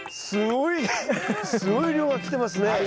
すごい量が来てますね。